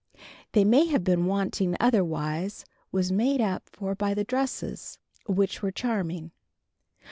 What may have been wanting otherwise was made up for by the dresses, which were charming.